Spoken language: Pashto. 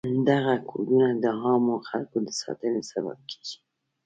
دغه کودونه د عامو خلکو د ساتنې سبب کیږي.